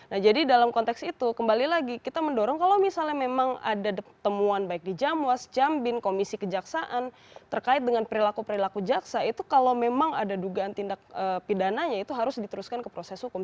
nah jadi dalam konteks itu kembali lagi kita mendorong kalau misalnya memang ada temuan baik di jamwas jambin komisi kejaksaan terkait dengan perilaku perilaku jaksa itu kalau memang ada dugaan tindak pidananya itu harus diteruskan ke proses hukum